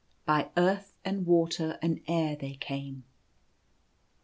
By earth and water and air they came.